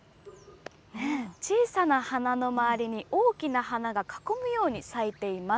小さな花の周りに大きな花が囲むように咲いています。